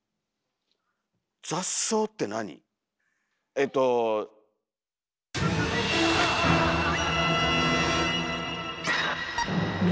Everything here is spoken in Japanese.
えっとー。